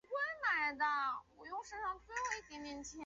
丰特维耶伊尔。